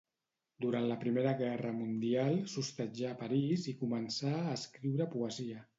Durant la Primera Guerra Mundial, s'hostatjà a París i començà a escriure poesia.